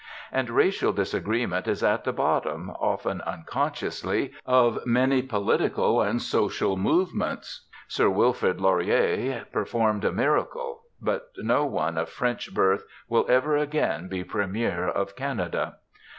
And racial disagreement is at the bottom, often unconsciously, of many political and social movements. Sir Wilfrid Laurier performed a miracle. But no one of French birth will ever again be Premier of Canada.